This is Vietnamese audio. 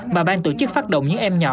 mà bang tổ chức phát động những em nhỏ